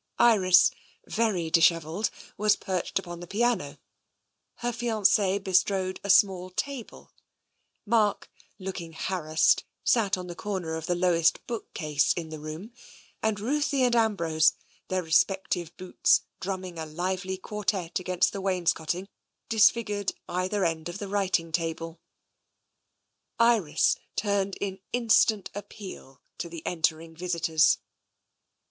Iris, very dishevelled, was perched upon the piano; her fiance bestrode a small table; Mark, looking harassed, sat on the comer of the lowest bookcase in the room; and Ruthie and Ambrose, their respective boots drumming a lively quartette against the wains coting, disfigured either end of the writing table. Iris turned in instant appeal to the entering visitors.